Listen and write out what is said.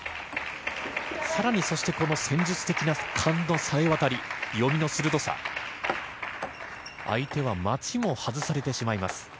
更にこの戦術的な勘の冴え渡り読みの鋭さ相手は待ちも外されてしまいます。